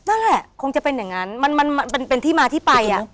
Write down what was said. นั่นแหละคงจะเป็นอย่างนั้นมันเป็นที่มาที่ไปอ่ะ